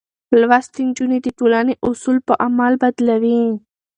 لوستې نجونې د ټولنې اصول په عمل بدلوي.